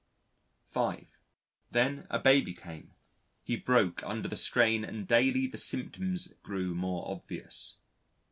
(5) Then a baby came. He broke under the strain and daily the symptoms grew more obvious.